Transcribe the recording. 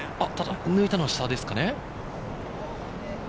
抜いたのは下ですかね。